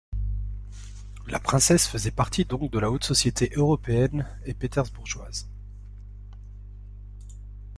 La princesse faisait partie donc de la haute société européenne et pétersbourgoise.